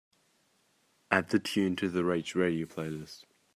Add the tune to the Rage Radio playlist.